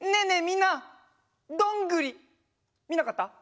みんなどんぐりみなかった？